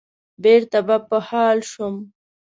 بېرته به په حال شوم.